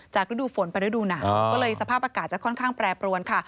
ฤดูฝนไปฤดูหนาวก็เลยสภาพอากาศจะค่อนข้างแปรปรวนค่ะ